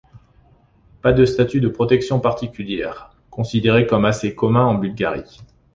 Pas de statut de protection particulier, considéré comme assez commun en Bulgarie.